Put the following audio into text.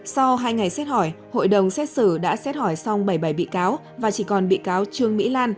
sau hai ngày xét hỏi hội đồng xét xử đã xét hỏi xong bảy mươi bảy bị cáo và chỉ còn bị cáo trương mỹ lan